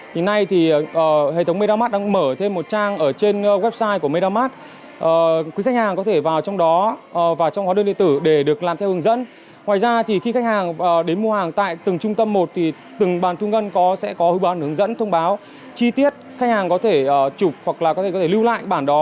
thì nay hệ thống medamat đang mở thêm một trang trên website của medamat